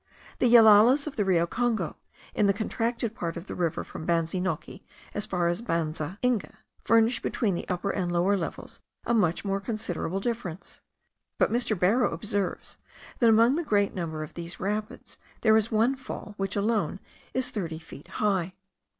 The Yellalas of the Rio Congo, in the contracted part of the river from Banza Noki as far as Banza Inga, furnish, between the upper and lower levels, a much more considerable difference; but Mr. Barrow observes, that among the great number of these rapids there is one fall, which alone is thirty feet high.